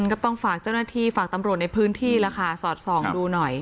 ก็ต้องฝากเจ้าหน้าที่ฝากตำรวจในพื้นที่แล้วค่ะสอดส่องดูหน่อย